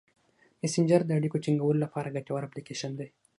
مسېنجر د اړیکو ټینګولو لپاره ګټور اپلیکیشن دی.